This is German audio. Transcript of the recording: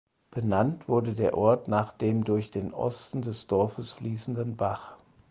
Benannt wurde der Ort nach dem durch den Osten des Dorfes fließenden Bach.